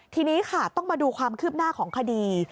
ทีนี้ค่ะต้องมาดูความคืบหน้าของคดี